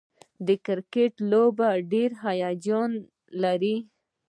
د کرکټ لوبه ډېره هیجان لري.